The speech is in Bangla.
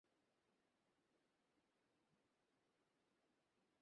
তিল থেকে তেল বানানো বন্ধ কর।